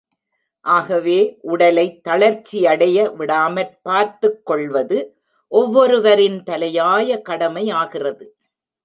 ஆகவே, உடலை தளர்ச்சியடைய விடாமற்பார்த்துக் கொள்வது ஒவ்வொருவரின் தலையாய கடமையாகிறது.